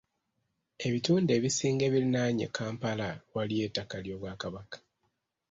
Ebitundu ebisinga ebirinaanye Kampala waliyo ettaka ly'Obwakabaka.